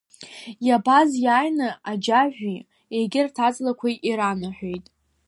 Иабаз иааины Аџьажәи егьырҭ аҵлақәеи иранаҳәеит.